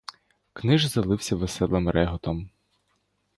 Книш залився веселим реготом.